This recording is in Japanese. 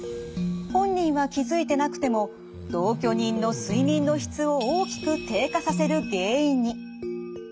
本人は気付いてなくても同居人の睡眠の質を大きく低下させる原因に。